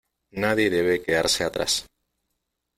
Nadie debe quedarse atrás.